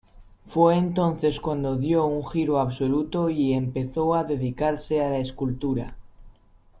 Fue entonces cuando dio un giro absoluto y empezó a dedicarse a la escultura.